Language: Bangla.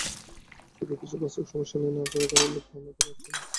শুধু কিছু বাস্তব সমস্যা নিয়ে নাড়াচাড়া করার লোভ সামলাতে পারছি না।